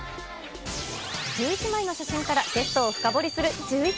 １１枚の写真からゲストを深掘りするじゅーいち。